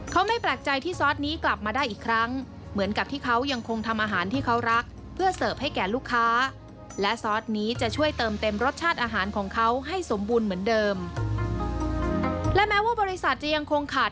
เขาไม่แปลกใจที่ซอสนี้กลับมาได้อีกครั้งเหมือนกับที่เขายังคงทำอาหารที่เขารักเพื่อเสิร์ฟให้แก่ลูกค้า